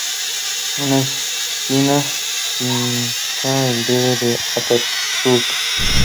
Una espina pincha el dedo de Atatürk.